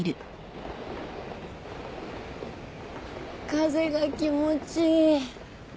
風が気持ちいい。